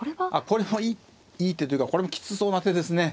これもいい手というかこれもきつそうな手ですね